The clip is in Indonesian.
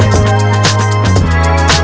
itu kan ahal ya